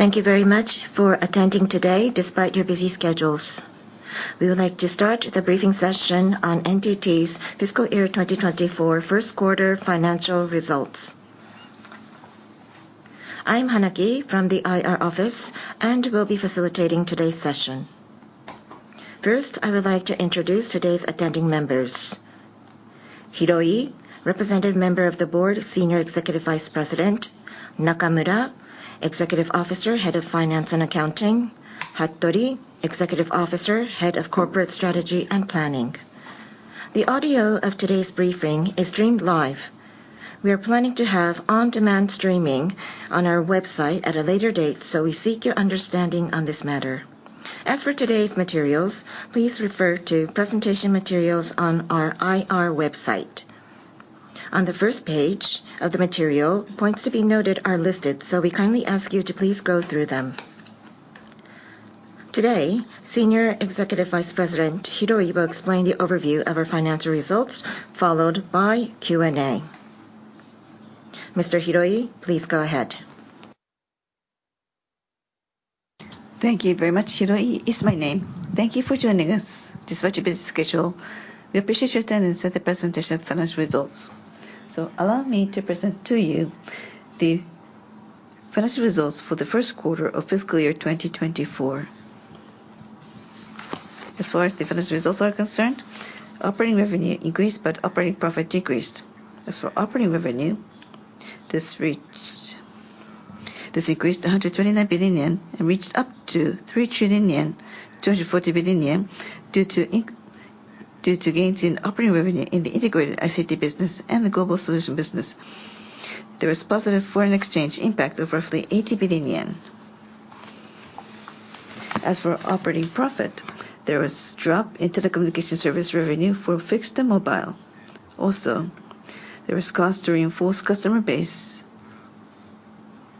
...Thank you very much for attending today, despite your busy schedules. We would like to start the briefing session on NTT's fiscal year 2024 first quarter financial results. I'm Hanaki from the IR office, and will be facilitating today's session. First, I would like to introduce today's attending members. Hiroi, Representative Member of the Board, Senior Executive Vice President. Nakamura, Executive Officer, Head of Finance and Accounting. Hattori, Executive Officer, Head of Corporate Strategy and Planning. The audio of today's briefing is streamed live. We are planning to have on-demand streaming on our website at a later date, so we seek your understanding on this matter. As for today's materials, please refer to presentation materials on our IR website. On the first page of the material, points to be noted are listed, so we kindly ask you to please go through them. Today, Senior Executive Vice President Hiroi will explain the overview of our financial results, followed by Q&A. Mr. Hiroi, please go ahead. Thank you very much. Hiroi is my name. Thank you for joining us despite your busy schedule. We appreciate your attendance at the presentation of financial results. Allow me to present to you the financial results for the first quarter of fiscal year 2024. As far as the financial results are concerned, operating revenue increased, but operating profit decreased. As for operating revenue, this increased 129 billion yen, and reached up to 3,240 billion yen, due to gains in operating revenue in the Integrated ICT Business and the Global Solutions Business. There was positive foreign exchange impact of roughly 80 billion yen. As for operating profit, there was drop in telecommunication service revenue for fixed and mobile. Also, there was cost to reinforce customer base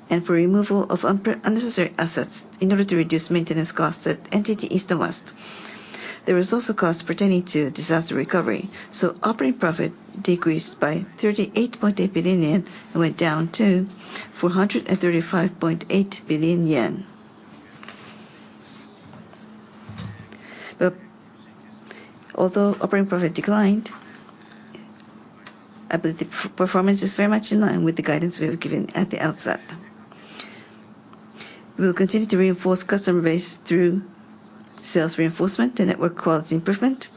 and for removal of unnecessary assets in order to reduce maintenance costs at NTT East and NTT West. There was also costs pertaining to disaster recovery, so operating profit decreased by 38.8 billion yen and went down to 435.8 billion yen. But although operating profit declined, I believe the performance is very much in line with the guidance we have given at the outset. We will continue to reinforce customer base through sales reinforcement and network quality improvement,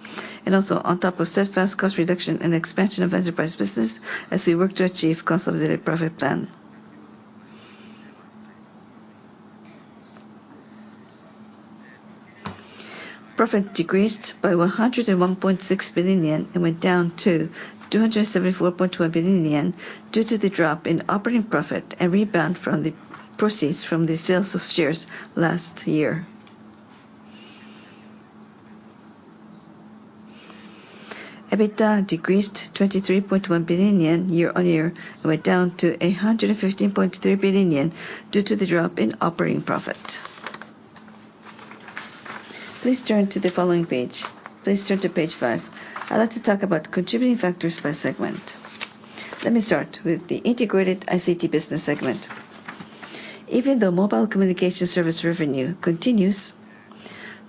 and also on top of steadfast cost reduction and expansion of enterprise business as we work to achieve consolidated profit plan. Profit decreased by 101.6 billion yen and went down to 274.1 billion yen, due to the drop in operating profit and rebound from the proceeds from the sales of shares last year. EBITDA decreased 23.1 billion yen year-on-year, and went down to 115.3 billion yen due to the drop in operating profit. Please turn to the following page. Please turn to page five. I'd like to talk about contributing factors by segment. Let me start with the Integrated ICT Business segment. Even though mobile communication service revenue continues,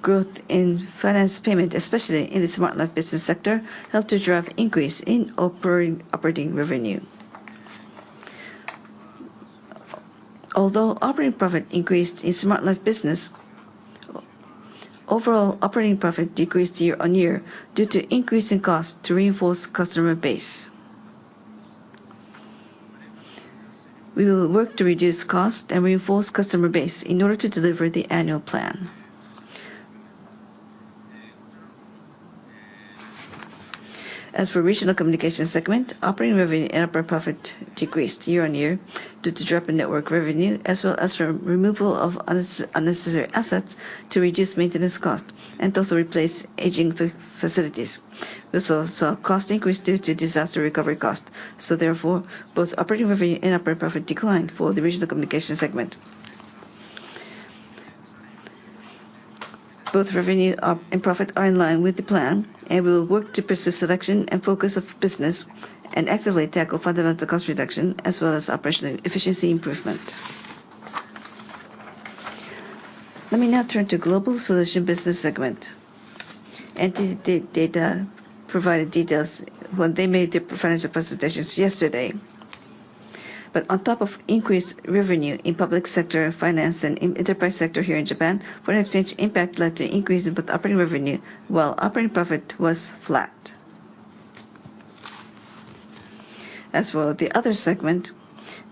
growth in finance payment, especially in the Smart Life Business sector, helped to drive increase in operating revenue. Although operating profit increased in Smart Life Business, overall operating profit decreased year-on-year due to increase in cost to reinforce customer base. We will work to reduce cost and reinforce customer base in order to deliver the annual plan. As for Regional Communications Business segment, operating revenue and operating profit decreased year-on-year due to drop in network revenue, as well as from removal of unnecessary assets to reduce maintenance cost and also replace aging facilities. We also saw cost increase due to disaster recovery cost, so therefore, both operating revenue and operating profit declined for the Regional Communications Business segment. Both revenue and profit are in line with the plan, and we will work to pursue selection and focus of business and actively tackle fundamental cost reduction as well as operational efficiency improvement. Let me now turn to Global Solutions Business segment. NTT DATA provided details when they made their financial presentations yesterday. But on top of increased revenue in public sector, finance, and in enterprise sector here in Japan, foreign exchange impact led to increase in both operating revenue, while operating profit was flat. As well, the other segment,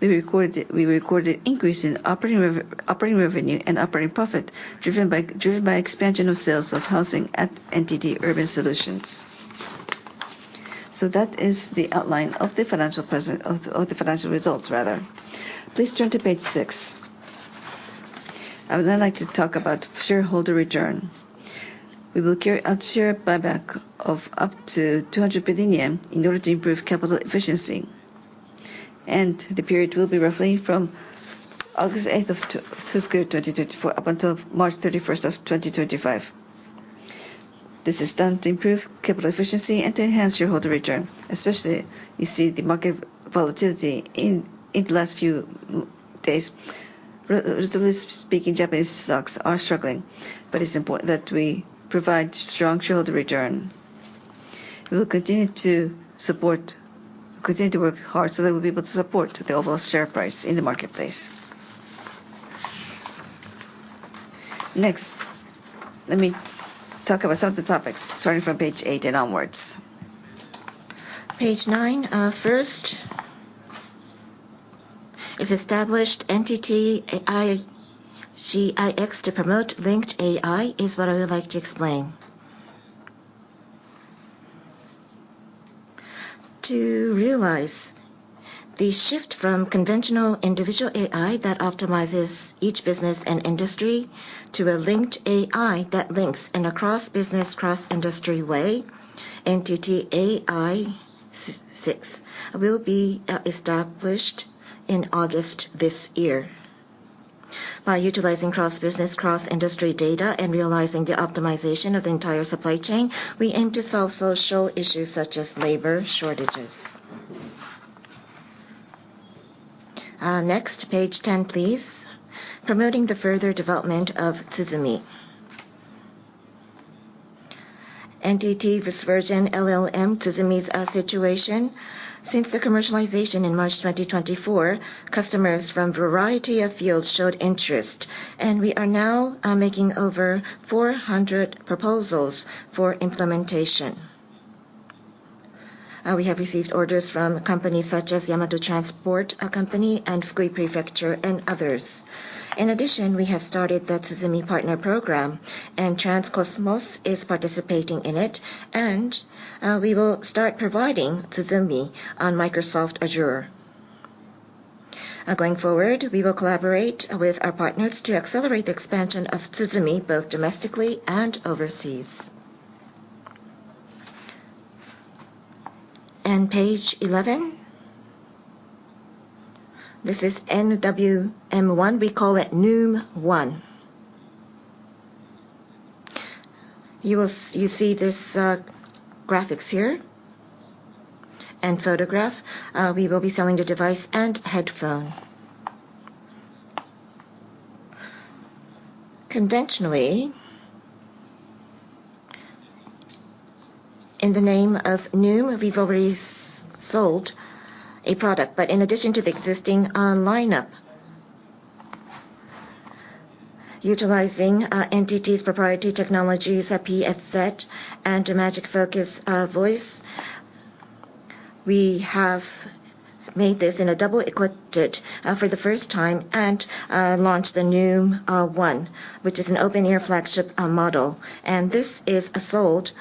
we recorded, we recorded increase in operating revenue and operating profit, driven by, driven by expansion of sales of housing at NTT Urban Solutions. So that is the outline of the financial presentation of the financial results, rather. Please turn to page 6. I would now like to talk about shareholder return. We will carry out share buyback of up to 200 billion in order to improve capital efficiency, and the period will be roughly from August 8 of fiscal 2024, up until March 31 of 2025. ... This is done to improve capital efficiency and to enhance shareholder return, especially you see the market volatility in the last few months. Really speaking, Japanese stocks are struggling, but it's important that we provide strong shareholder return. We will continue to support, continue to work hard so that we'll be able to support the overall share price in the marketplace. Next, let me talk about some of the topics starting from page 8 and onwards. Page 9, first, is established NTT AI-CIX to promote linked AI, is what I would like to explain. To realize the shift from conventional individual AI that optimizes each business and industry, to a linked AI that links in a cross-business, cross-industry way, NTT AI-CIX will be established in August this year. By utilizing cross-business, cross-industry data and realizing the optimization of the entire supply chain, we aim to solve social issues such as labor shortages. Next, page 10, please. Promoting the further development of tsuzumi. NTT version LLM tsuzumi's situation. Since the commercialization in March 2024, customers from a variety of fields showed interest, and we are now making over 400 proposals for implementation. We have received orders from companies such as Yamato Transport, a company, and Fukui Prefecture, and others. In addition, we have started the tsuzumi Partner Program, and Transcosmos is participating in it, and we will start providing tsuzumi on Microsoft Azure. Going forward, we will collaborate with our partners to accelerate the expansion of tsuzumi, both domestically and overseas. Page 11. This is nwm ONE. We call it nwm ONE. You will see this graphics here and photograph. We will be selling the device and headphone. Conventionally, in the name of nwm, we've already sold a product, but in addition to the existing lineup, utilizing NTT's proprietary technologies, PSZ and Magic Focus Voice, we have made this in a double equipped for the first time, and launched the nwm ONE, which is an open-ear flagship model. And this is sold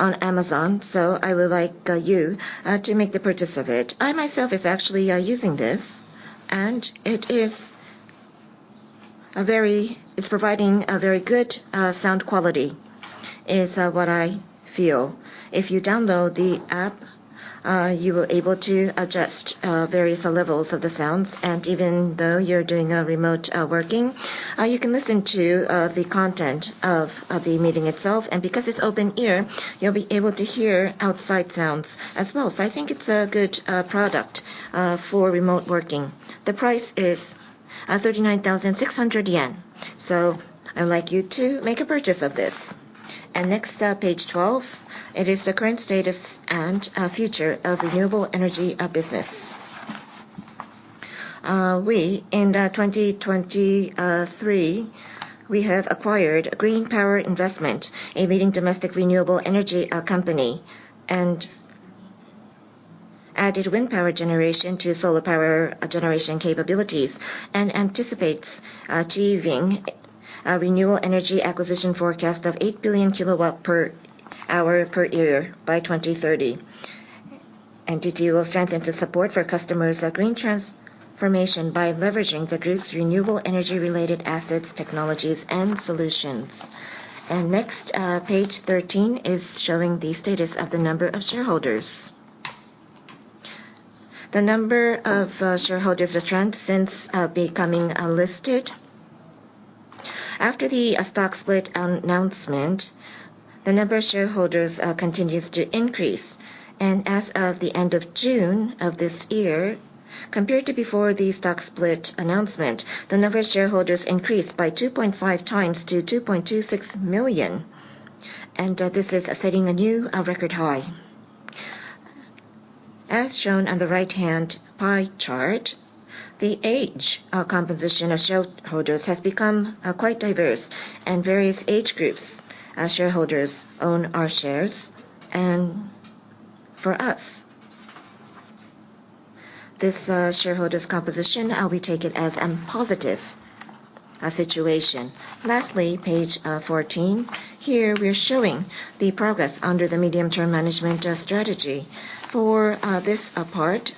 on Amazon, so I would like you to make the purchase of it. I, myself, is actually using this, and it is a very good sound quality. It's providing a very good sound quality, is what I feel. If you download the app, you are able to adjust various levels of the sounds, and even though you're doing a remote working, you can listen to the content of the meeting itself. And because it's open ear, you'll be able to hear outside sounds as well. So I think it's a good product for remote working. The price is 39,600 yen, so I'd like you to make a purchase of this. And next, page 12, it is the current status and future of renewable energy business. We in 2023 we have acquired Green Power Investment, a leading domestic renewable energy company, and added wind power generation to solar power generation capabilities, and anticipates achieving a renewable energy acquisition forecast of 8 billion kWh per year by 2030. NTT will strengthen the support for customers' green transformation by leveraging the group's renewable energy-related assets, technologies, and solutions. Next, page 13 is showing the status of the number of shareholders. The number of shareholders, the trend since becoming listed. After the stock split announcement, the number of shareholders continues to increase. As of the end of June of this year, compared to before the stock split announcement, the number of shareholders increased by 2.5 times to 2.26 million, and this is setting a new record high. As shown on the right-hand pie chart, the age composition of shareholders has become quite diverse, and various age groups shareholders own our shares. For us, this shareholders composition we take it as a positive situation. Lastly, page 14. Here, we are showing the progress under the medium-term management strategy. For this part,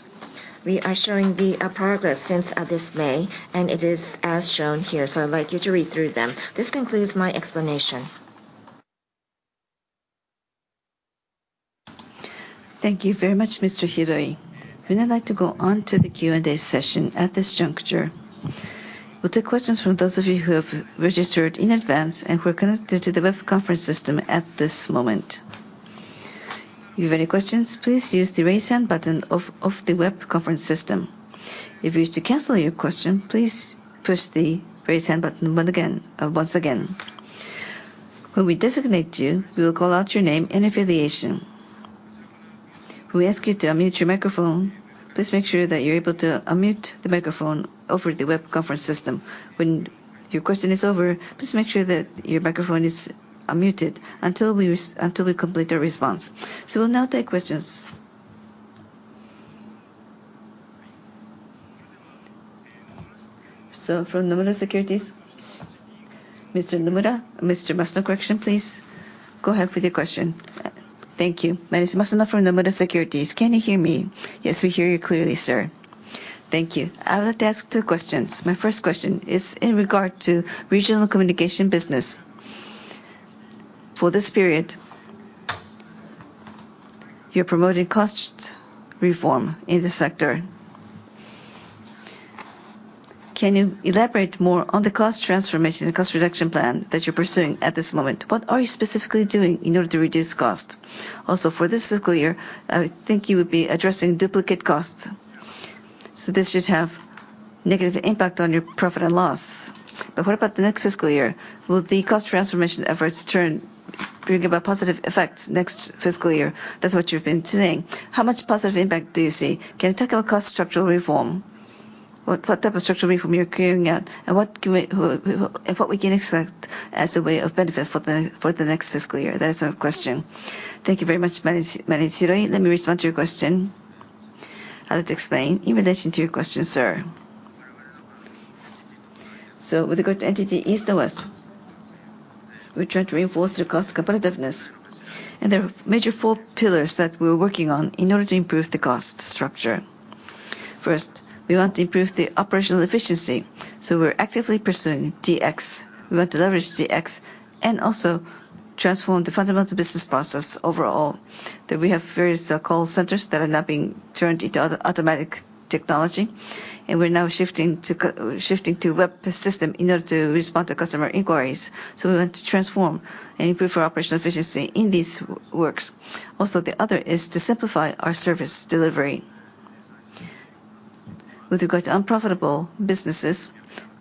we are showing the progress since this May, and it is as shown here, so I'd like you to read through them. This concludes my explanation. ...Thank you very much, Mr. Hiroi. We'd now like to go on to the Q&A session at this juncture. We'll take questions from those of you who have registered in advance and who are connected to the web conference system at this moment. If you have any questions, please use the Raise Hand button of the web conference system. If you wish to cancel your question, please push the Raise Hand button again, once again. When we designate you, we will call out your name and affiliation. We ask you to unmute your microphone. Please make sure that you're able to unmute the microphone over the web conference system. When your question is over, please make sure that your microphone is unmuted until we complete our response. So we'll now take questions. So from Nomura Securities, Mr. Masuno, correction, please. Go ahead with your question. Thank you. My name is Masuno from Nomura Securities. Can you hear me? Yes, we hear you clearly, sir. Thank you. I would like to ask two questions. My first question is in regard to regional communication business. For this period, you're promoting cost reform in the sector. Can you elaborate more on the cost transformation and cost reduction plan that you're pursuing at this moment? What are you specifically doing in order to reduce cost? Also, for this fiscal year, I think you will be addressing duplicate costs, so this should have negative impact on your profit and loss. But what about the next fiscal year? Will the cost transformation efforts turn, bring about positive effects next fiscal year? That's what you've been saying. How much positive impact do you see? Can you talk about cost structural reform? What type of structural reform you're carrying out, and what we can expect as a way of benefit for the next fiscal year? That is our question. Thank you very much, my name is Hiroi. Let me respond to your question. I'd like to explain in relation to your question, sir. So with regard to NTT East and West, we're trying to reinforce the cost competitiveness, and there are major four pillars that we're working on in order to improve the cost structure. First, we want to improve the operational efficiency, so we're actively pursuing DX. We want to leverage DX and also transform the fundamental business process overall, that we have various call centers that are now being turned into other automatic technology, and we're now shifting to shifting to web-based system in order to respond to customer inquiries. So we want to transform and improve our operational efficiency in these works. Also, the other is to simplify our service delivery. With regard to unprofitable businesses,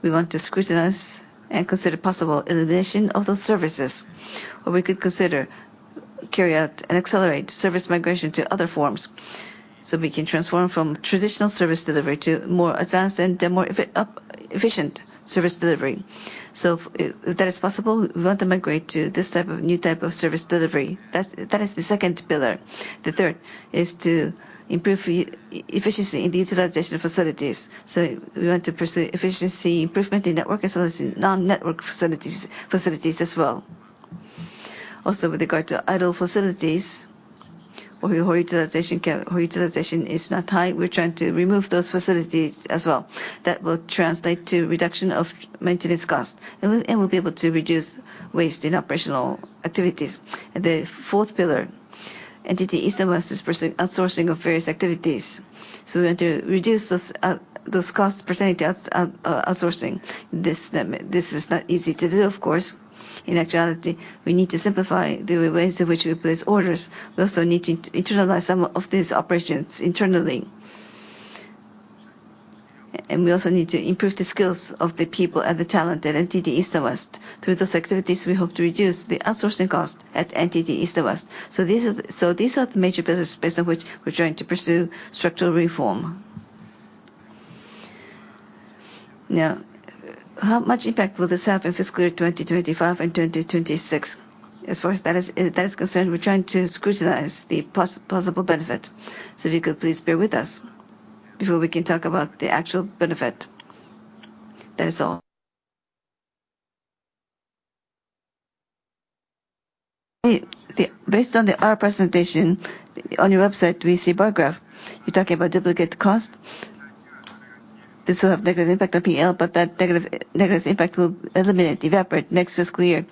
we want to scrutinize and consider possible elimination of those services, or we could consider carry out and accelerate service migration to other forms. So we can transform from traditional service delivery to more advanced and then more efficient service delivery. So if that is possible, we want to migrate to this type of new type of service delivery. That is the second pillar. The third is to improve efficiency in the utilization of facilities. So we want to pursue efficiency improvement in network as well as non-network facilities, facilities as well. Also, with regard to idle facilities, where utilization is not high, we're trying to remove those facilities as well. That will translate to reduction of maintenance cost, and we'll be able to reduce waste in operational activities. And the fourth pillar, NTT East and West, is pursuing outsourcing of various activities. So we want to reduce those costs pertaining to outsourcing. This is not easy to do, of course. In actuality, we need to simplify the ways in which we place orders. We also need to internalize some of these operations internally. We also need to improve the skills of the people and the talent at NTT East and West. Through those activities, we hope to reduce the outsourcing cost at NTT East and West. So these are the major pillars based on which we're trying to pursue structural reform. Now, how much impact will this have in fiscal year 2025 and 2026? As far as that is concerned, we're trying to scrutinize the possible benefit. So if you could please bear with us before we can talk about the actual benefit. That is all. Based on our presentation on your website, we see bar graph. You're talking about duplicate cost. This will have negative impact on PL, but that negative impact will eliminate, evaporate next fiscal year.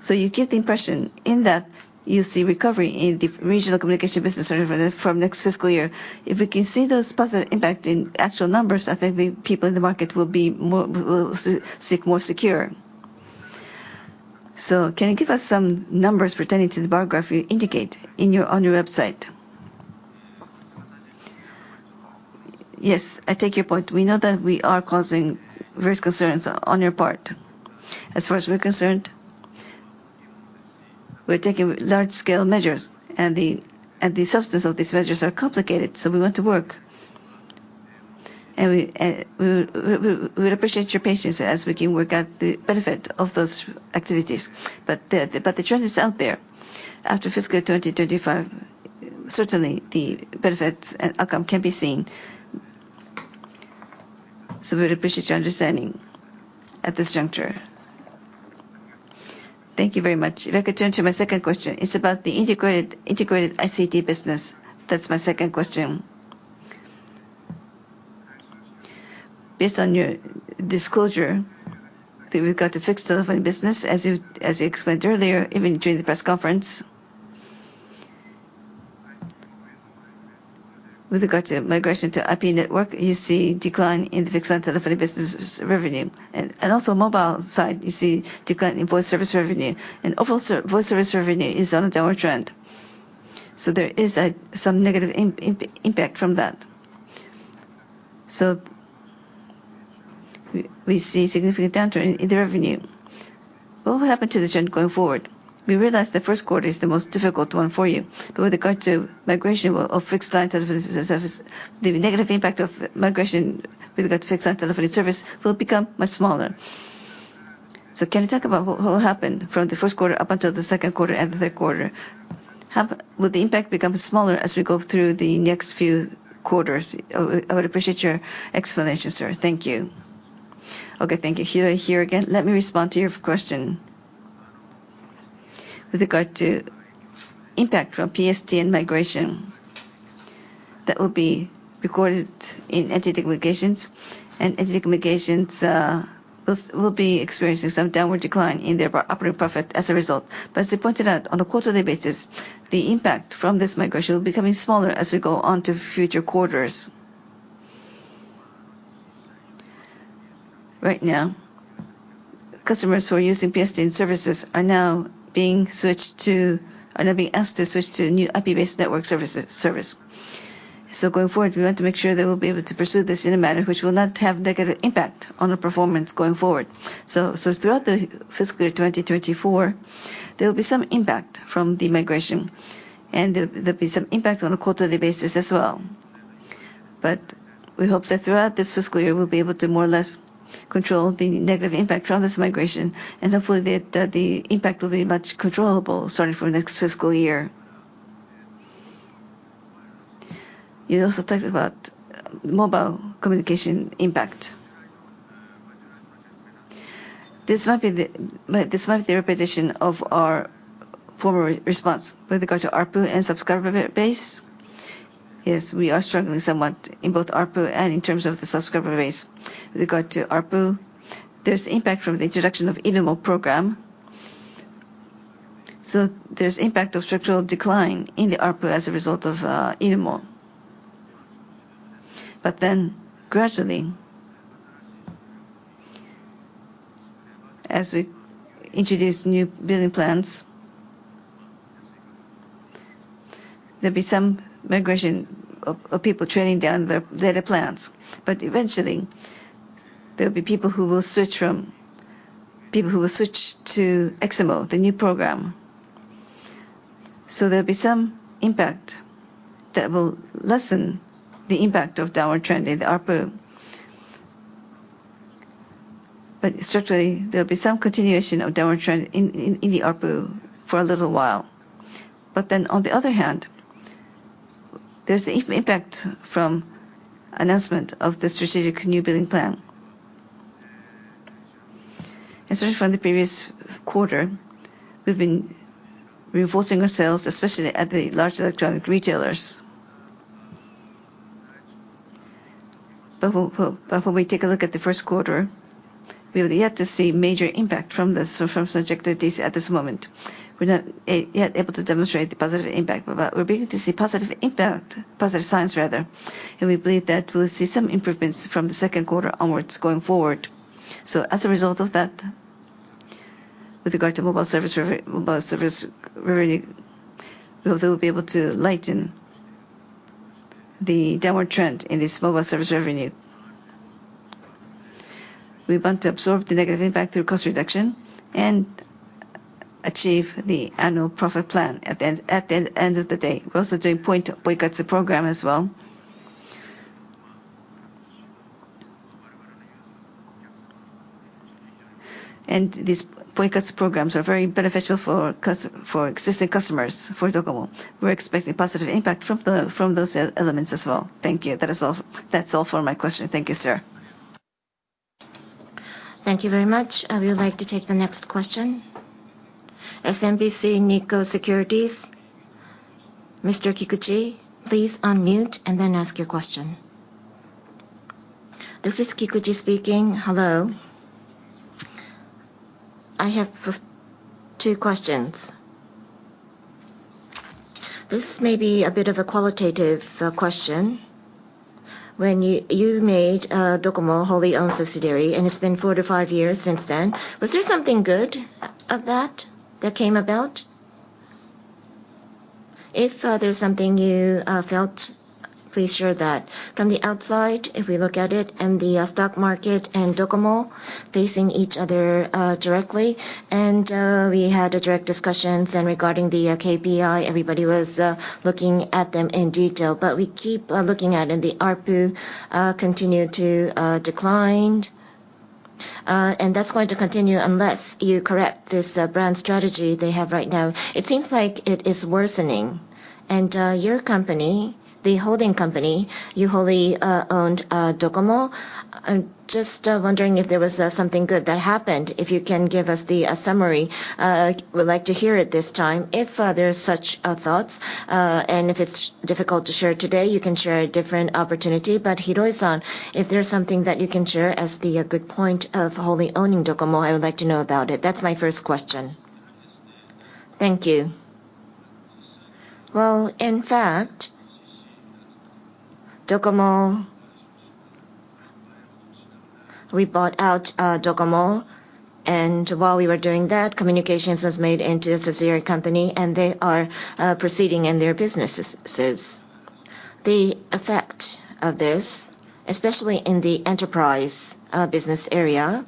So you get the impression in that you see recovery in the regional communication business area from next fiscal year. If we can see those positive impact in actual numbers, I think the people in the market will be more, will seem more secure. So can you give us some numbers pertaining to the bar graph you indicate in your, on your website? Yes, I take your point. We know that we are causing various concerns on your part. As far as we're concerned, we're taking large-scale measures, and the, and the substance of these measures are complicated, so we want to work. And we would appreciate your patience as we can work out the benefit of those activities. But the trend is out there. After fiscal 2025, certainly the benefits and outcome can be seen. So we appreciate your understanding at this juncture. Thank you very much. If I could turn to my second question, it's about the Integrated ICT Business. That's my second question.... Based on your disclosure, that we've got to fix the telephone business, as you explained earlier, even during the press conference. With regard to migration to IP network, you see decline in the fixed-line telephony business revenue. And also mobile side, you see decline in voice service revenue. And overall voice service revenue is on a downward trend. So there is some negative impact from that. So we see significant downturn in the revenue. What will happen to the trend going forward? We realize the first quarter is the most difficult one for you, but with regard to migration of fixed-line telephony service, the negative impact of migration with regard to fixed-line telephony service will become much smaller. So can you talk about what will happen from the first quarter up until the second quarter and the third quarter? How will the impact become smaller as we go through the next few quarters? I would appreciate your explanation, sir. Thank you. Okay, thank you. Hiro here again, let me respond to your question. With regard to impact from PSTN migration, that will be recorded in NTT Communications, and NTT Communications will be experiencing some downward decline in their operating profit as a result. But as you pointed out, on a quarterly basis, the impact from this migration will be becoming smaller as we go on to future quarters. Right now, customers who are using PSTN services are now being asked to switch to new IP-based network services. So going forward, we want to make sure they will be able to pursue this in a manner which will not have negative impact on the performance going forward. So throughout the fiscal year 2024, there will be some impact from the migration, and there'll be some impact on a quarterly basis as well. But we hope that throughout this fiscal year, we'll be able to more or less control the negative impact from this migration, and hopefully, the impact will be much controllable starting from next fiscal year. You also talked about mobile communication impact. This might be the repetition of our former response with regard to ARPU and subscriber base. Yes, we are struggling somewhat in both ARPU and in terms of the subscriber base. With regard to ARPU, there's impact from the introduction of irumo program. So there's impact of structural decline in the ARPU as a result of irumo. But then, gradually, as we introduce new billing plans, there'll be some migration of people trading down their data plans. But eventually, there will be people who will switch from people who will switch to eximo, the new program. So there'll be some impact that will lessen the impact of downward trend in the ARPU. But certainly, there'll be some continuation of downward trend in the ARPU for a little while. But then, on the other hand, there's the impact from announcement of the strategic new billing plan. So from the previous quarter, we've been reinforcing our sales, especially at the large electronic retailers. But when we take a look at the first quarter, we have yet to see major impact from this, from such activities at this moment. We're not yet able to demonstrate the positive impact, but we're beginning to see positive impact, positive signs, rather, and we believe that we'll see some improvements from the second quarter onwards going forward. So as a result of that, with regard to mobile service revenue, we hope that we'll be able to lighten the downward trend in this mobile service revenue. We want to absorb the negative impact through cost reduction and achieve the annual profit plan at the end of the day. We're also doing Poi Katsu program as well. And these Poi Katsu programs are very beneficial for existing customers, for DOCOMO. We're expecting positive impact from those elements as well. Thank you. That is all. That's all for my question. Thank you, sir. Thank you very much. I would like to take the next question. SMBC Nikko Securities, Mr. Kikuchi, please unmute and then ask your question. This is Kikuchi speaking. Hello. I have two questions. This may be a bit of a qualitative question. When you made DOCOMO wholly owned subsidiary, and it's been four to five years since then, was there something good of that that came about? If there's something you felt, please share that. From the outside, if we look at it, and the stock market and DOCOMO facing each other directly, and we had direct discussions and regarding the KPI, everybody was looking at them in detail. But we keep looking at, and the ARPU continued to decline. And that's going to continue unless you correct this brand strategy they have right now. It seems like it is worsening. And your company, the holding company, you wholly owned DOCOMO. I'm just wondering if there was something good that happened. If you can give us the summary, would like to hear it this time. If there's such thoughts, and if it's difficult to share today, you can share a different opportunity. But Hiro-san, if there's something that you can share as the good point of wholly owning DOCOMO, I would like to know about it. That's my first question. Thank you. Well, in fact, DOCOMO-... We bought out DOCOMO, and while we were doing that, communications was made into a subsidiary company, and they are proceeding in their businesses. The effect of this, especially in the enterprise business area,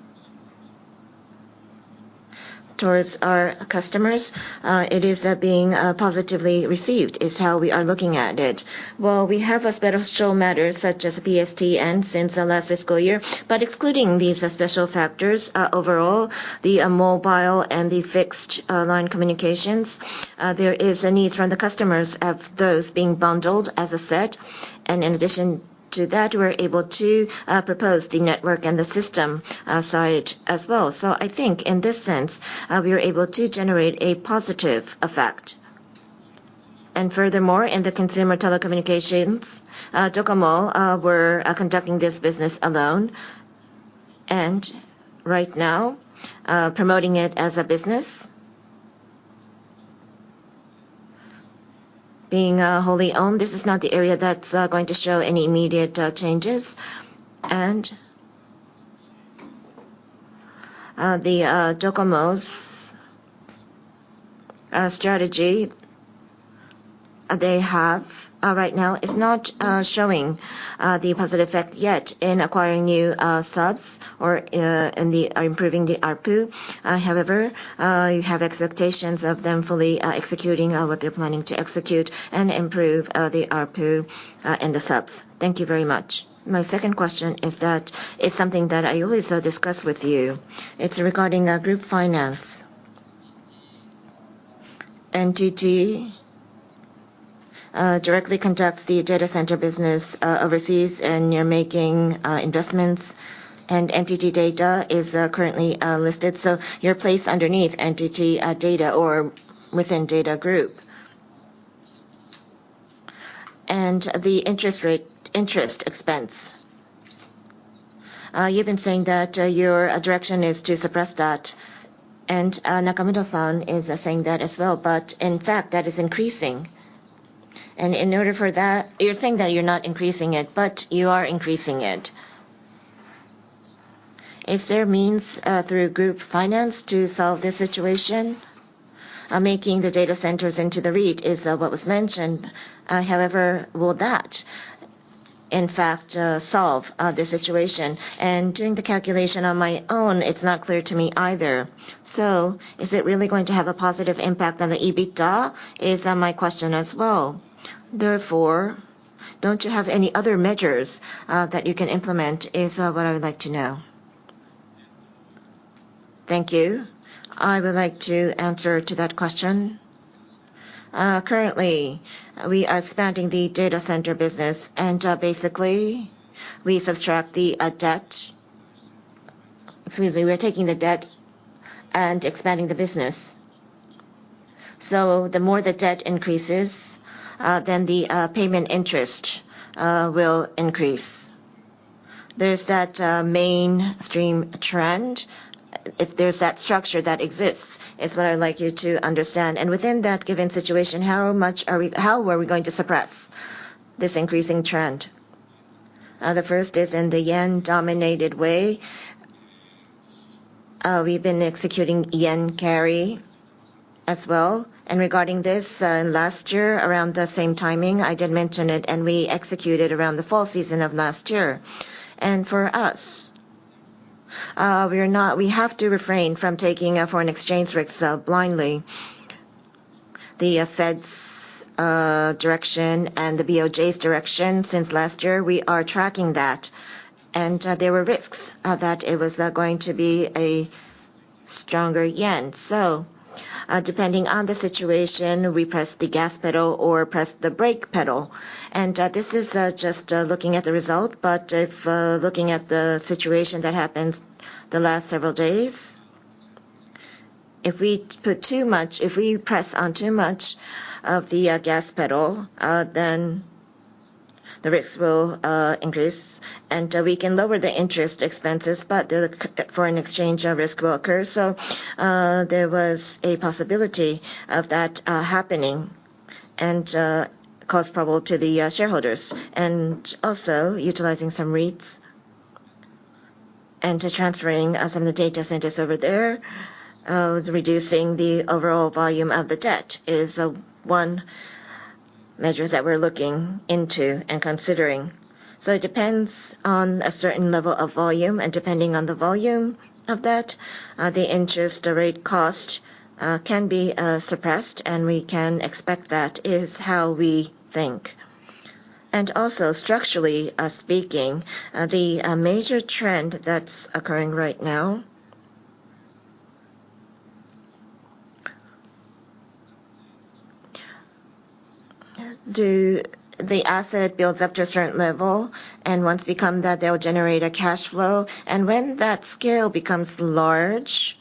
towards our customers, it is being positively received, is how we are looking at it. While we have special matters, such as PSTN, since the last fiscal year, but excluding these special factors, overall, the mobile and the fixed line communications, there is a need from the customers of those being bundled as a set. And in addition to that, we're able to propose the network and the system side as well. So I think in this sense, we are able to generate a positive effect. Furthermore, in the consumer telecommunications, DOCOMO, we're conducting this business alone, and right now, promoting it as a business. Being wholly owned, this is not the area that's going to show any immediate changes. The DOCOMO's strategy they have right now is not showing the positive effect yet in acquiring new subs or in improving the ARPU. However, you have expectations of them fully executing what they're planning to execute and improve the ARPU and the subs. Thank you very much. My second question is that it's something that I always discuss with you. It's regarding group finance. NTT directly conducts the data center business overseas, and you're making investments, and NTT DATA is currently listed, so your place underneath NTT DATA or within DATA group. And the interest rate, interest expense, you've been saying that your direction is to suppress that, and Nakamoto-san is saying that as well, but in fact, that is increasing. And in order for that, you're saying that you're not increasing it, but you are increasing it. Is there means through group finance to solve this situation? Making the data centers into the REIT is what was mentioned. However, will that, in fact, solve the situation? And doing the calculation on my own, it's not clear to me either. So is it really going to have a positive impact on the EBITDA, is my question as well. Therefore, don't you have any other measures that you can implement, what I would like to know? Thank you. I would like to answer to that question. Currently, we are expanding the data center business, and basically, we subtract the debt. Excuse me, we're taking the debt and expanding the business. So the more the debt increases, then the payment interest will increase. There's that mainstream trend. If there's that structure that exists, is what I'd like you to understand. And within that given situation, how are we going to suppress this increasing trend? The first is in the yen-denominated way. We've been executing Yen carry as well, and regarding this, last year, around the same timing, I did mention it, and we executed around the fall season of last year. And for us, we are not. We have to refrain from taking a foreign exchange risks blindly. The Fed's direction and the BOJ's direction since last year, we are tracking that, and there were risks that it was going to be a stronger yen. So, depending on the situation, we press the gas pedal or press the brake pedal. And this is just looking at the result, but if looking at the situation that happened the last several days, if we put too much, if we press on too much of the gas pedal, then the risks will increase. And we can lower the interest expenses, but the foreign exchange risk will occur. So, there was a possibility of that happening and cause problem to the shareholders. And also, utilizing some REITs and to transferring some of the data centers over there, reducing the overall volume of the debt is one measures that we're looking into and considering. So it depends on a certain level of volume, and depending on the volume of that, the interest, the rate cost can be suppressed, and we can expect that, is how we think. And also, structurally speaking, the major trend that's occurring right now... Do the asset builds up to a certain level, and once become that, they'll generate a cash flow. And when that scale becomes large,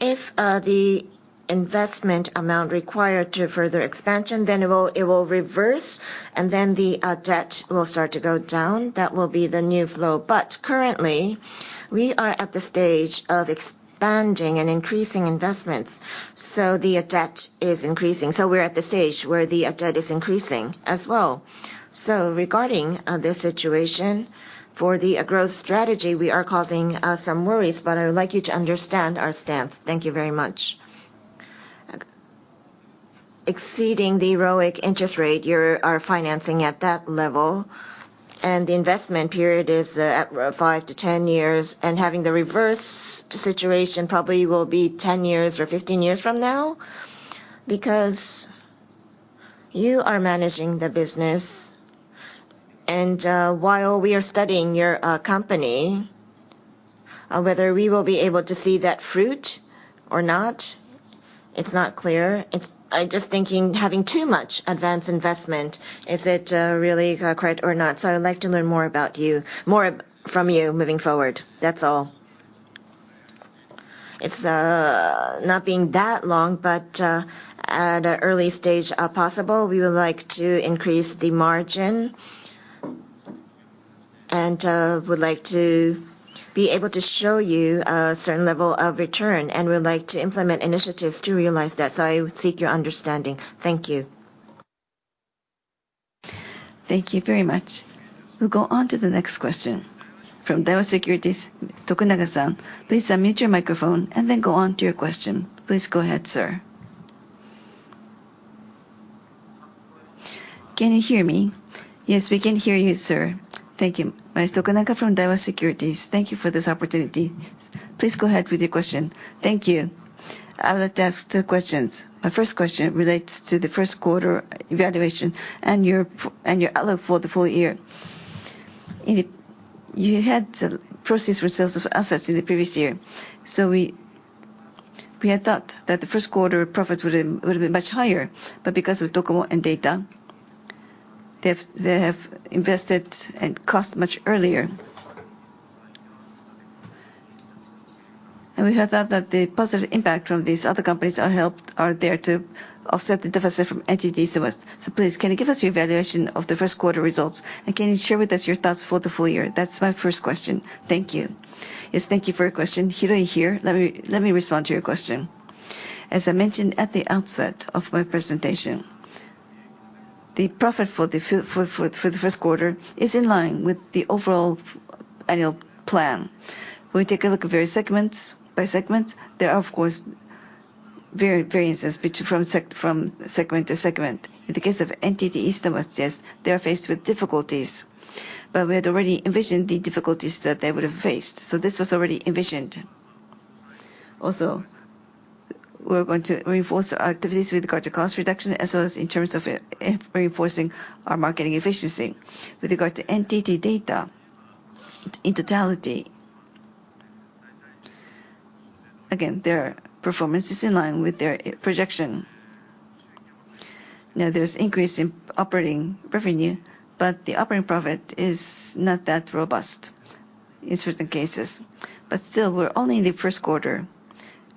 if the investment amount required to further expansion, then it will, it will reverse, and then the debt will start to go down. That will be the new flow. But currently, we are at the stage of exp-... Expanding and increasing investments, so the debt is increasing. So we're at the stage where the debt is increasing as well. So regarding this situation, for the growth strategy, we are causing some worries, but I would like you to understand our stance. Thank you very much. Exceeding the ROIC interest rate, you are financing at that level, and the investment period is at 5-10 years, and having the reverse situation probably will be 10 years or 15 years from now. Because you are managing the business, and while we are studying your company, whether we will be able to see that fruit or not, it's not clear. I just thinking, having too much advanced investment, is it really correct or not? So I would like to learn more about you, more from you moving forward. That's all. It's not been that long, but at an early stage, possible, we would like to increase the margin. And would like to be able to show you a certain level of return, and we'd like to implement initiatives to realize that. So I would seek your understanding. Thank you. Thank you very much. We'll go on to the next question. From Daiwa Securities, Tokunaga-san. Please unmute your microphone and then go on to your question. Please go ahead, sir. Can you hear me? Yes, we can hear you, sir. Thank you. I'm Tokunaga from Daiwa Securities. Thank you for this opportunity. Please go ahead with your question. Thank you. I would like to ask two questions. My first question relates to the first quarter evaluation and your plan and your outlook for the full year. In the, you had to process results of assets in the previous year, so we had thought that the first quarter profits would have been much higher. But because of DOCOMO and DATA, they have invested and cost much earlier. We had thought that the positive impact from these other companies are helped, are there to offset the deficit from NTT East. So please, can you give us your evaluation of the first quarter results, and can you share with us your thoughts for the full year? That's my first question. Thank you. Yes, thank you for your question. Hiroi here. Let me respond to your question. As I mentioned at the outset of my presentation, the profit for the first quarter is in line with the overall annual plan. When we take a look at various segments, there are, of course, variances from segment to segment. In the case of NTT East, yes, they are faced with difficulties, but we had already envisioned the difficulties that they would have faced, so this was already envisioned. Also, we're going to reinforce our activities with regard to cost reduction, as well as in terms of reinforcing our marketing efficiency. With regard to NTT DATA, in totality, again, their performance is in line with their projection. Now, there's increase in operating revenue, but the operating profit is not that robust in certain cases. But still, we're only in the first quarter.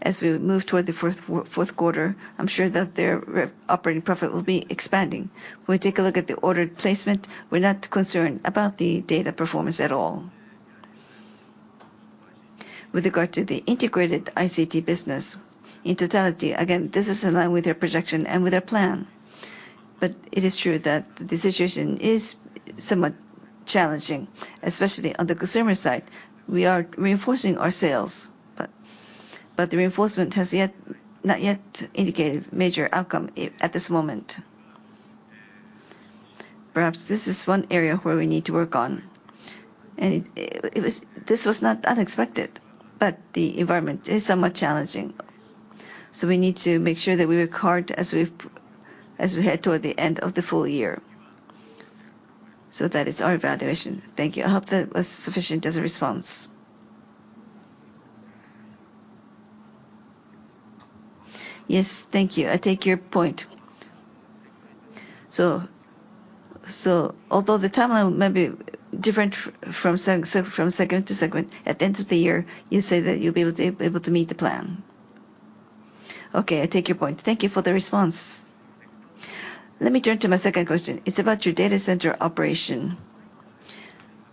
As we move toward the fourth quarter, I'm sure that their operating profit will be expanding. When we take a look at the ordered placement, we're not concerned about the data performance at all. With regard to the Integrated ICT Business, in totality, again, this is in line with their projection and with their plan. But it is true that the situation is somewhat challenging, especially on the consumer side. We are reinforcing our sales, but the reinforcement has not yet indicated major outcome at this moment. Perhaps this is one area where we need to work on, and this was not unexpected, but the environment is somewhat challenging. So we need to make sure that we work hard as we head toward the end of the full year. So that is our evaluation. Thank you. I hope that was sufficient as a response. Yes, thank you. I take your point. So although the timeline may be different from segment to segment, at the end of the year, you say that you'll be able to meet the plan. Okay, I take your point. Thank you for the response. Let me turn to my second question. It's about your data center operation.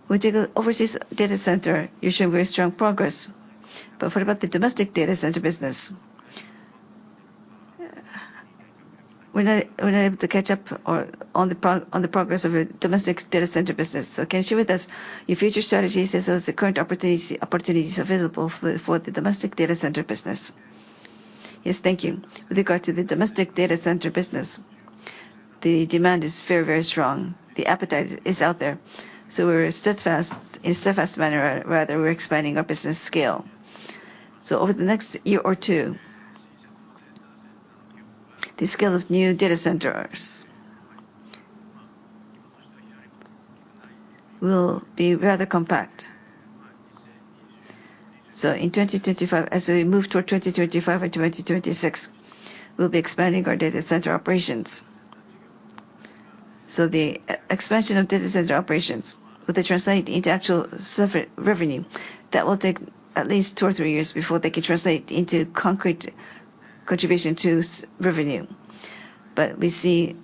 When you go overseas data center, you show very strong progress, but what about the domestic data center business? We're not, we're not able to catch up or on the progress of your domestic data center business. So can you share with us your future strategies as well as the current opportunities available for the domestic data center business? Yes, thank you. With regard to the domestic data center business, the demand is very, very strong. The appetite is out there. So we're steadfast, in a steadfast manner, rather, we're expanding our business scale. So over the next year or two, the scale of new data centers will be rather compact. So in 2025, as we move toward 2025 and 2026, we'll be expanding our data center operations. So the expansion of data center operations, when they translate into actual revenue, that will take at least 2 or 3 years before they can translate into concrete contribution to revenue. But we see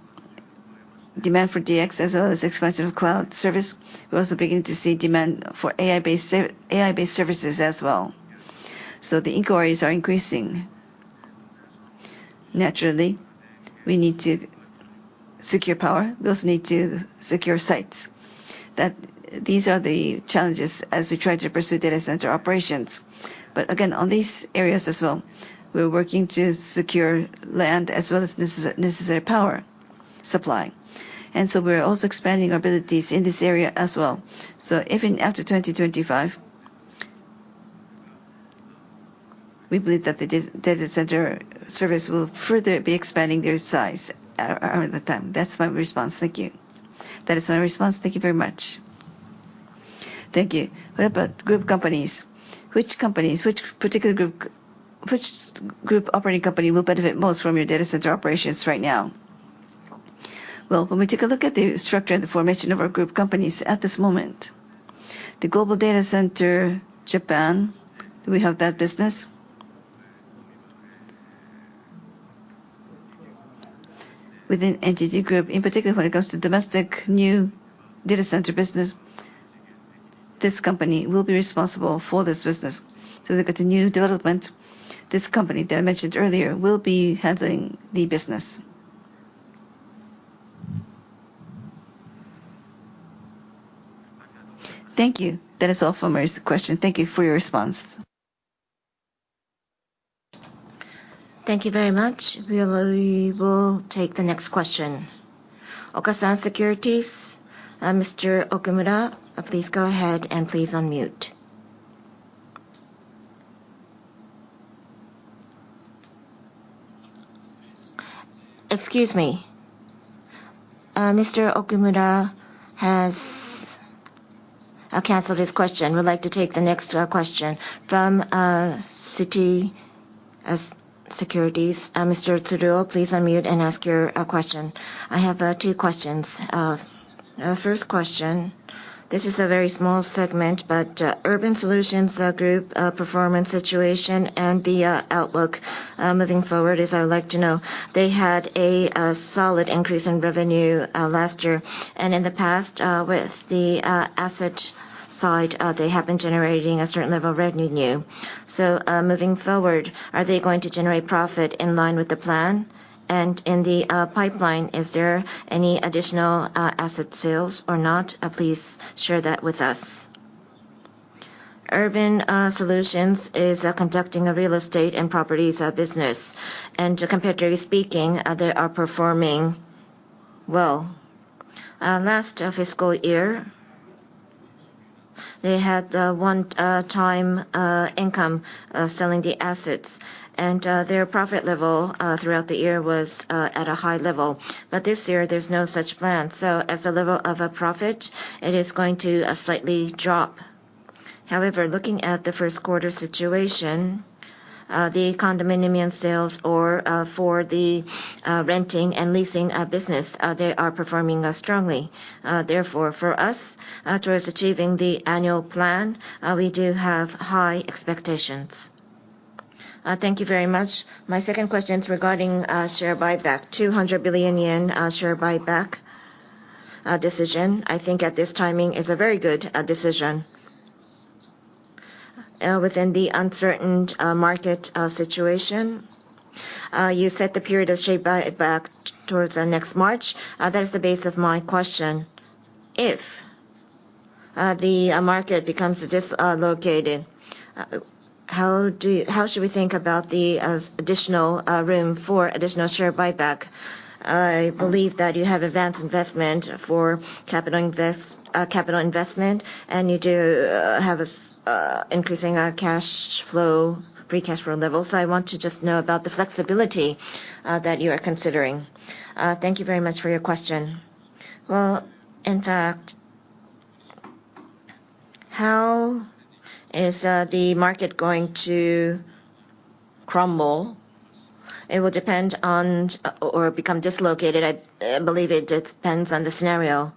demand for DX as well as expansion of cloud service. We're also beginning to see demand for AI-based services as well. So the inquiries are increasing. Naturally, we need to secure power. We also need to secure sites. That these are the challenges as we try to pursue data center operations. But again, on these areas as well, we're working to secure land as well as necessary power supply. And so we're also expanding our abilities in this area as well. So even after 2025, we believe that the data center service will further be expanding their size over the time. That's my response. Thank you. That is my response. Thank you very much. Thank you. What about group companies? Which companies, which particular group, which group operating company will benefit most from your data center operations right now? Well, when we take a look at the structure and the formation of our group companies at this moment, the Global Data Center Japan, we have that business. Within NTT Group, in particular, when it comes to domestic new data center business, this company will be responsible for this business. So they've got a new development. This company that I mentioned earlier will be handling the business. Thank you. That is all for my question. Thank you for your response. Thank you very much. We will take the next question. Okasan Securities, Mr. Okumura, please go ahead, and please unmute. Excuse me, Mr. Okumura has canceled his question. We'd like to take the next question from Citi Securities. Mr. Tsuruo, please unmute and ask your question. I have two questions. First question, this is a very small segment, but Urban Solutions Group performance situation and the outlook moving forward is what I would like to know. They had a solid increase in revenue last year, and in the past, with the asset side, they have been generating a certain level of revenue. So, moving forward, are they going to generate profit in line with the plan? And in the pipeline, is there any additional asset sales or not? Please share that with us. NTT Urban Solutions is conducting a real estate and properties business, and comparatively speaking, they are performing well. Last fiscal year, they had one-time income selling the assets, and their profit level throughout the year was at a high level. But this year there's no such plan, so as a level of a profit, it is going to slightly drop. However, looking at the first quarter situation, the condominium sales or for the renting and leasing business, they are performing strongly. Therefore, for us, towards achieving the annual plan, we do have high expectations. Thank you very much. My second question is regarding share buyback. 200 billion yen share buyback decision, I think at this timing is a very good decision. Within the uncertain market situation, you set the period of share buyback towards next March. That is the base of my question. If the market becomes dislocated, how should we think about the additional room for additional share buyback? I believe that you have advanced investment for capital investment, and you do have an increasing free cash flow level. So I want to just know about the flexibility that you are considering. Thank you very much for your question. Well, in fact, how is the market going to crumble? It will depend on... or become dislocated. I believe it depends on the scenario.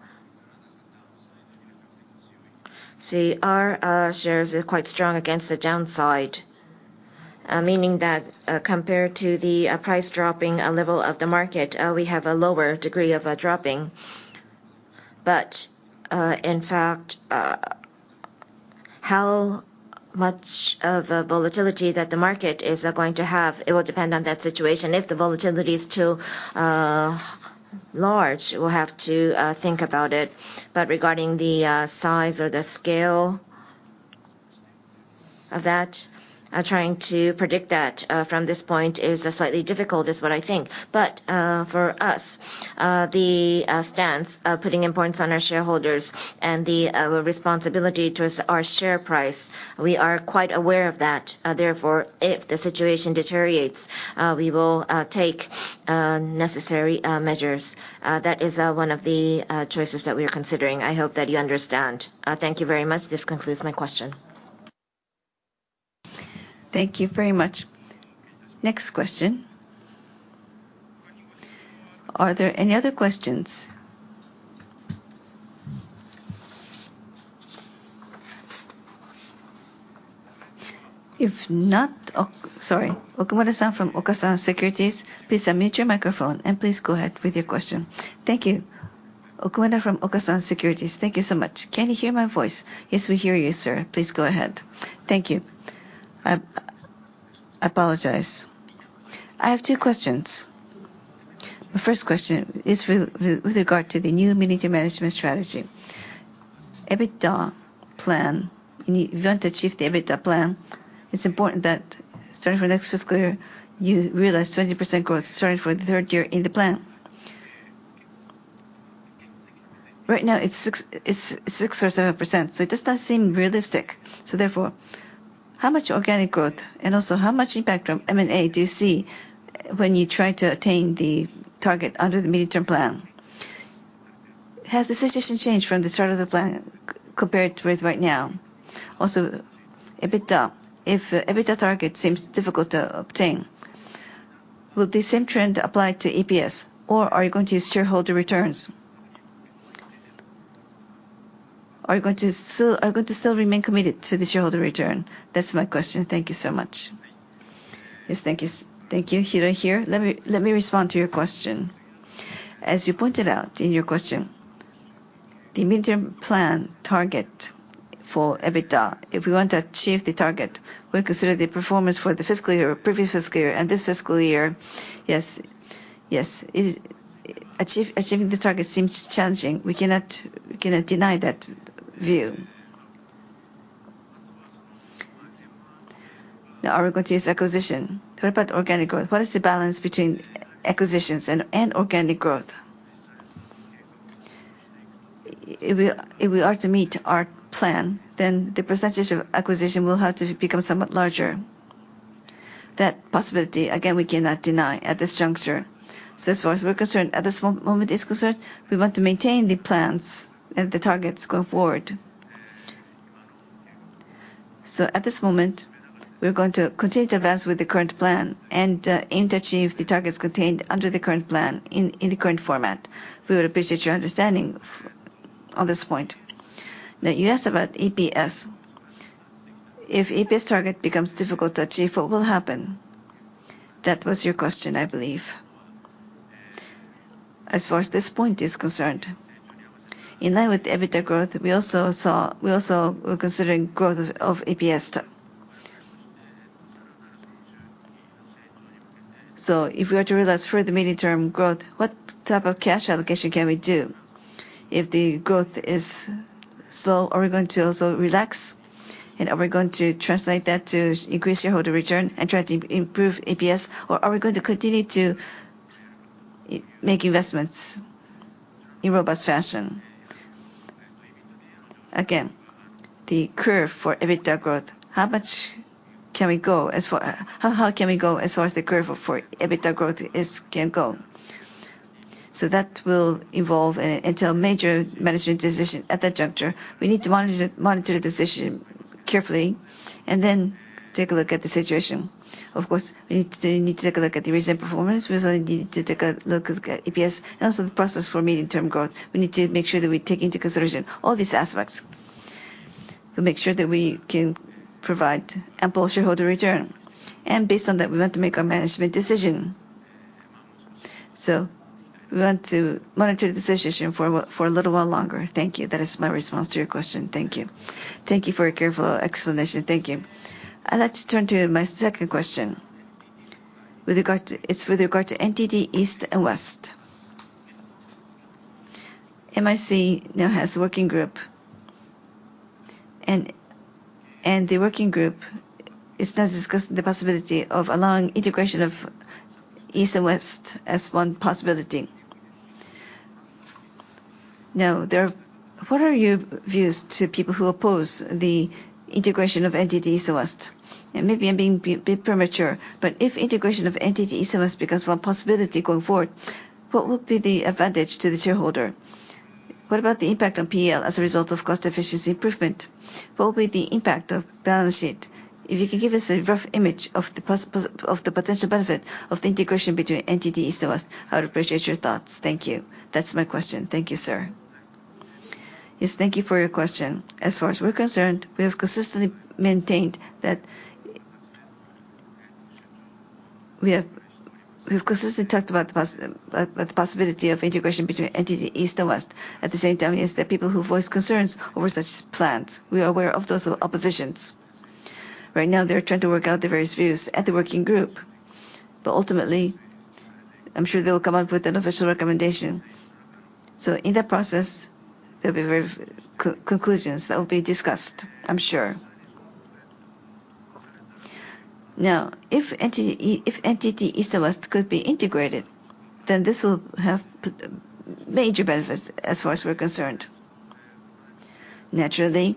See, our shares are quite strong against the downside, meaning that, compared to the price dropping level of the market, we have a lower degree of dropping. But in fact, how much of a volatility that the market is going to have, it will depend on that situation. If the volatility is too large, we'll have to think about it. But regarding the size or the scale of that, trying to predict that from this point is slightly difficult, is what I think. But for us, the stance of putting importance on our shareholders and the responsibility towards our share price, we are quite aware of that. Therefore, if the situation deteriorates, we will take necessary measures. That is one of the choices that we are considering. I hope that you understand. Thank you very much. This concludes my question. Thank you very much. Next question? Are there any other questions? If not, oh, sorry. Okumura-san from Okasan Securities, please unmute your microphone, and please go ahead with your question. Thank you. Okumura from Okasan Securities. Thank you so much. Can you hear my voice? Yes, we hear you, sir. Please go ahead. Thank you. I, I apologize. I have two questions. The first question is with, with, with regard to the new mid-term management strategy. EBITDA plan, if you want to achieve the EBITDA plan, it's important that starting for next fiscal year, you realize 20% growth starting for the third year in the plan. Right now, it's six, it's 6% or 7%, so it does not seem realistic. So therefore, how much organic growth, and also how much impact from M&A do you see when you try to attain the target under the mid-term plan? Has the situation changed from the start of the plan compared to it right now? Also, EBITDA, if EBITDA target seems difficult to obtain, will the same trend apply to EPS, or are you going to use shareholder returns? Are you going to still remain committed to the shareholder return? That's my question. Thank you so much. Yes, thank you. Thank you, Takashi Hiroi here. Let me respond to your question. As you pointed out in your question, the midterm plan target for EBITDA, if we want to achieve the target, we consider the performance for the fiscal year, previous fiscal year, and this fiscal year. Yes, it is. Achieving the target seems challenging. We cannot deny that view. Now, are we going to use acquisition? What about organic growth? What is the balance between acquisitions and organic growth? If we are to meet our plan, then the percentage of acquisition will have to become somewhat larger. That possibility, again, we cannot deny at this juncture. So as far as we're concerned, at this moment is concerned, we want to maintain the plans and the targets going forward. So at this moment, we're going to continue to advance with the current plan and aim to achieve the targets contained under the current plan in the current format. We would appreciate your understanding on this point. Now, you asked about EPS. If EPS target becomes difficult to achieve, what will happen? That was your question, I believe. As far as this point is concerned, in line with the EBITDA growth, we also were considering growth of EPS. So if we are to realize further medium-term growth, what type of cash allocation can we do? If the growth is slow, are we going to also relax, and are we going to translate that to increase shareholder return and try to improve EPS, or are we going to continue to make investments in robust fashion? Again, the curve for EBITDA growth, how much can we go as far? How can we go as far as the curve for EBITDA growth is, can go? So that will involve a until major management decision. At that juncture, we need to monitor the decision carefully and then take a look at the situation. Of course, we need to take a look at the recent performance. We also need to take a look at EPS and also the process for medium-term growth. We need to make sure that we take into consideration all these aspects. We'll make sure that we can provide ample shareholder return. Based on that, we want to make our management decision. We want to monitor the situation for a little while longer. Thank you. That is my response to your question. Thank you. Thank you for your careful explanation. Thank you. I'd like to turn to my second question. With regard to, it's with regard to NTT East and West. MIC now has a working group, and the working group is now discussing the possibility of allowing integration of East and West as one possibility. Now, there are. What are your views to people who oppose the integration of NTT East and West? Maybe I'm being a bit premature, but if integration of NTT East and West becomes one possibility going forward, what will be the advantage to the shareholder? What about the impact on PL as a result of cost efficiency improvement? What will be the impact of balance sheet? If you can give us a rough image of the possibility of the potential benefit of the integration between NTT East and West, I would appreciate your thoughts. Thank you. That's my question. Thank you, sir. Yes, thank you for your question. As far as we're concerned, we have consistently maintained that we have consistently talked about the possibility of integration between NTT East and West. At the same time, there are people who voice concerns over such plans. We are aware of those oppositions. Right now, they're trying to work out the various views at the working group, but ultimately, I'm sure they will come up with an official recommendation. So in that process, there'll be various conclusions that will be discussed, I'm sure. Now, if NTT East and West could be integrated, then this will have major benefits as far as we're concerned. Naturally,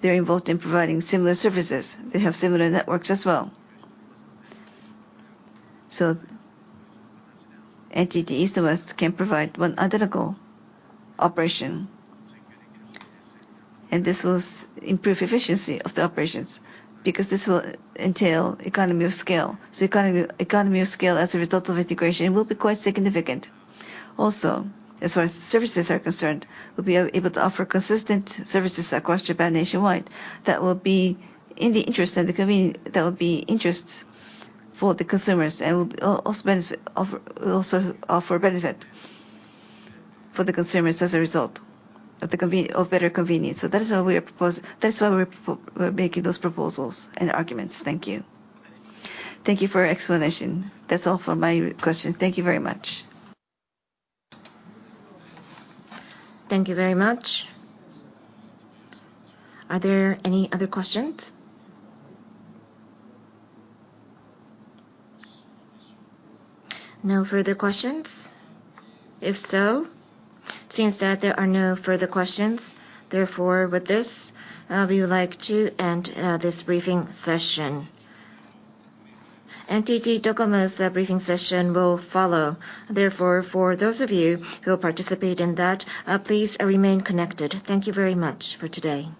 they're involved in providing similar services. They have similar networks as well. So NTT East and West can provide one identical operation, and this will improve efficiency of the operations because this will entail economy of scale. So economy of scale as a result of integration will be quite significant. Also, as far as services are concerned, we'll be able to offer consistent services across Japan nationwide. That will be in the interest of the community, that will be interest for the consumers and will also benefit, offer, will also offer benefit for the consumers as a result of better convenience. So that is why we are proposing, that is why we're making those proposals and arguments. Thank you. Thank you for your explanation. That's all for my question. Thank you very much. Thank you very much. Are there any other questions? No further questions? If so, seems that there are no further questions. Therefore, with this, we would like to end this briefing session. NTT DOCOMO's briefing session will follow. Therefore, for those of you who will participate in that, please remain connected. Thank you very much for today.